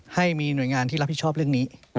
ให้มีหน่วยงานที่รับผิดชอบเรื่องนี้